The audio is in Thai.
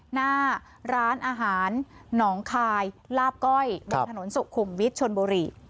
หน้าร้านอาหารหนองคายลาบก้อยบนถนนสุขุมวิทย์ชนบุรี